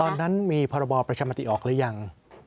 ตอนนั้นมีพรบประชามติออกหรือยัง